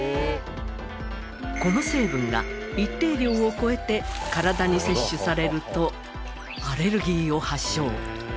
この成分が一定量を超えて体に摂取されるとアレルギーを発症。